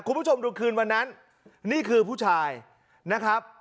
คุณผู้ชมดูคืนวันนั้นนี่คือผู้ชายนะครับ